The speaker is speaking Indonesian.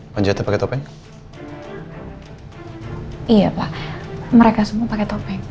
saya sudah berusaha